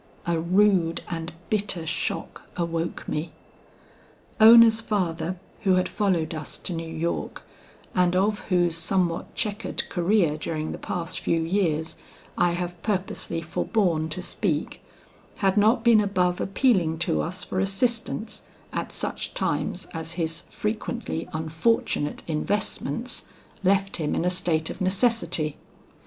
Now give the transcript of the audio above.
"A rude and bitter shock awoke me. Ona's father, who had followed us to New York, and of whose somewhat checkered career during the past few years, I have purposely forborne to speak, had not been above appealing to us for assistance at such times as his frequently unfortunate investments left him in a state of necessity.